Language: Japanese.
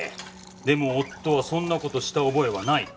でも夫はそんな事した覚えはないと。